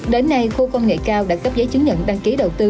đến nay khu công nghệ cao đã cấp giấy chứng nhận đăng ký đầu tư